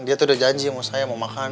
dia tuh udah janji sama saya mau makan